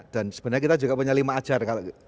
dan sebenarnya kita juga punya lima ajar